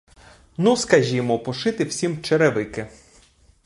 Ну, скажімо, пошити всім черевики.